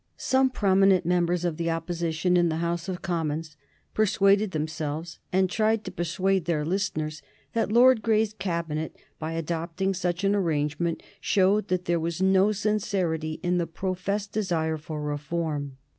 Some prominent members of the Opposition in the House of Commons persuaded themselves, and tried to persuade their listeners, that Lord Grey's Cabinet, by adopting such an arrangement, showed that there was no sincerity in the professed desire for reform.